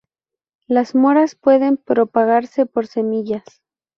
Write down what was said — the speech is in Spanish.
Las moras pueden propagarse por semillas.